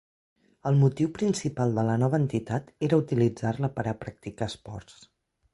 El motiu principal de la nova entitat era utilitzar-la per a practicar esports.